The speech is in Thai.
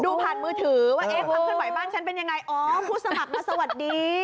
ดูผ่านมือถือว่าเอ๊ะความเคลื่อนไหวบ้านฉันเป็นยังไงอ๋อผู้สมัครมาสวัสดี